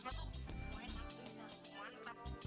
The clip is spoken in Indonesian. masakan gorengan kakak tuh